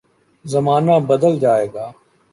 زمانہ بدل جائے گا۔